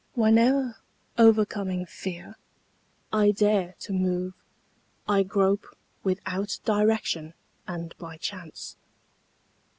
Whene'er, o'ercoming fear, I dare to move, I grope without direction and by chance.